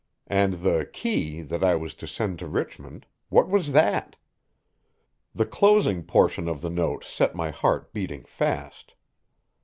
And the "key" that I was to send to Richmond, what was that? The closing portion of the note set my heart beating fast.